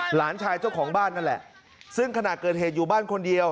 หลานชายเจ้าของบ้านนั่นแหละซึ่งขณะเกิดเหตุอยู่บ้านคนเดียว